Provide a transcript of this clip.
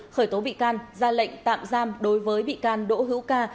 khởi tố bị can ra lệnh tạm giam đối với bị can đỗ hữu ca